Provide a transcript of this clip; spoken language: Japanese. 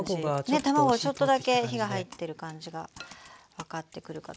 卵ちょっとだけ火が入ってる感じが分かってくるかと。